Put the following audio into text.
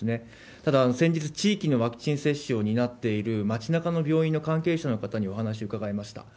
ただ、先日、地域のワクチン接種を担っている町なかの病院の関係者の方にお話伺いました。